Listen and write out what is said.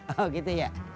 oh gitu ya